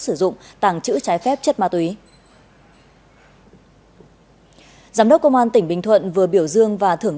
sử dụng tàng trữ trái phép chất ma túy giám đốc công an tỉnh bình thuận vừa biểu dương và thưởng